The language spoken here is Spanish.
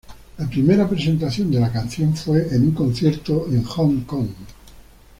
La primera presentación de la canción fue en un concierto en Hong Kong.